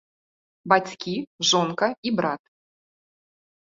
Бацькі, жонка і брат.